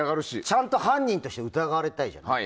ちゃんと犯人として疑われたいじゃん。